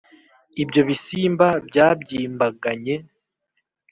Ibyo bisimba byabyimbaganye